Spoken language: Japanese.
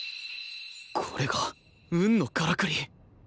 これが運のカラクリ！